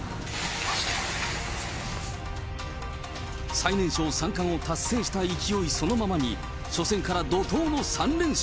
最年少三冠を達成した勢いそのままに、初戦から怒とうの３連勝。